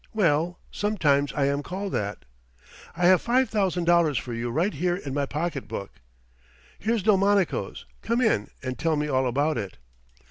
"Well, sometimes I am called that." "I have five thousand dollars for you right here in my pocket book." "Here's Delmonico's, come in and tell me all about it."